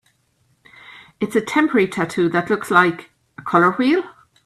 It's a temporary tattoo that looks like... a color wheel?